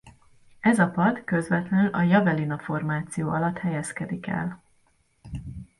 Ez a pad közvetlenül a Javelina-formáció alatt helyezkedik el.